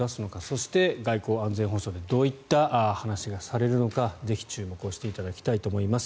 そして外交、安全保障でどういった話がされるのかぜひ注目していただきたいと思います。